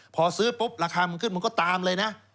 พอซื้อปุ๊บราคามันขึ้นมันก็ตามเลยนะ